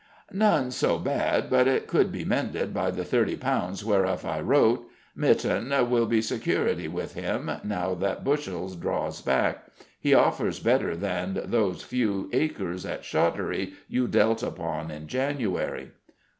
"None so bad but it could be mended by the thirty pounds whereof I wrote. Mytton will be security with him, now that Bushell draws back. He offers better than those few acres at Shottery you dealt upon in January."